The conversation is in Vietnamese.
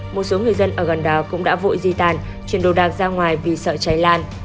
một số người dân ở gần đó cũng đã vội di tàn chuyển đồ đạc ra ngoài vì sợ cháy lan